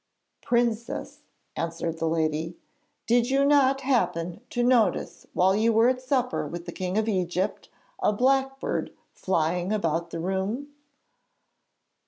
'Princess,' answered the lady, 'did you not happen to notice while you were at supper with the King of Egypt a blackbird flying about the room?'